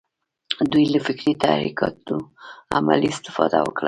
دوی له فکري تحرکاتو عملي استفاده وکړه.